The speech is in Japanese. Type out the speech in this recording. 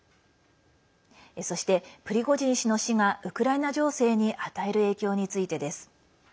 そして、プリゴジン氏の死がウクライナ情勢に与える影響についてです。